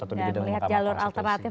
betul dan melihat jalur alternatif